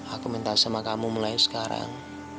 aku minta sama kamu mulai sekarang